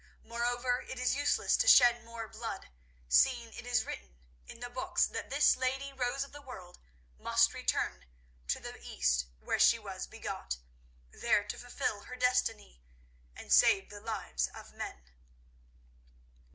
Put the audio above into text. Moreover, it is useless to shed more blood, seeing it is written in the Books that this lady, Rose of the World, must return to the East where she was begot, there to fulfil her destiny and save the lives of men."